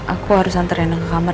aku harus antrena ke kamar